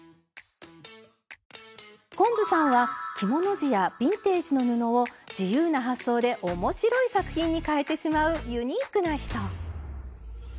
昆布さんは着物地やビンテージの布を自由な発想で面白い作品にかえてしまうユニークな人。